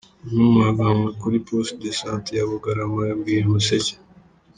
Umwe mu baganga kuri post de santé ya Bugarama yabwiye Umuseke.